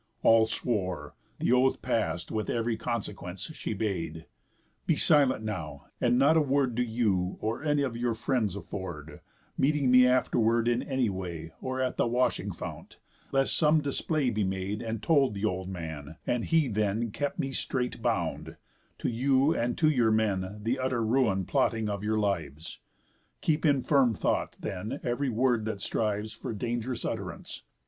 All swore. Th' oath past, with ev'ry consequence, She bade: 'Be silent now, and not a word Do you, or any of your friends, afford, Meeting me afterward in any way, Or at the washing fount; lest some display Be made, and told the old man, and he then Keep me strait bound, to you and to your men The utter ruin plotting of your lives. Keep in firm thought then ev'ry word that strives For dang'rous utt'rance.